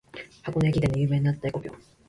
箱根駅伝で有名になった「えこぴょん」